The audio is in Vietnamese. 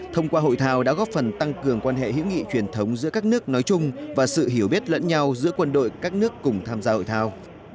thông qua hội thao đã góp phần tăng cường quan hệ hữu nghị truyền thống giữa các nước nói chung và sự hiểu biết lẫn nhau giữa quân đội các nước cùng tham gia hội thao